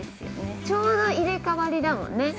◆ちょうど入れ替わりだもんね。